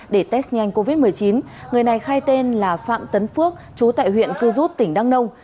để test nhanh covid một mươi chín người này khai tên là phạm tấn phước chú tại huyện cư rút tỉnh đăng nông